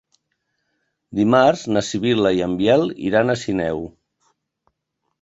Dimarts na Sibil·la i en Biel iran a Sineu.